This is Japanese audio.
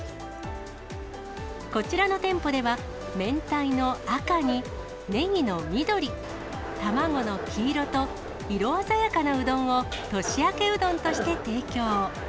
こちらの店舗では、明太の赤に、ネギの緑、卵の黄色と、色鮮やかなうどんを、年明けうどんとして提供。